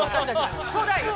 ちょうだいよ。